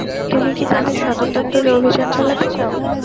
তুমি কি তাদের সদর দপ্তরে অভিযান চালাতে চাও?